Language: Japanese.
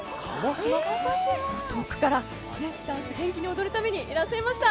遠くから、ダンスを元気に踊るためにいらっしゃいました。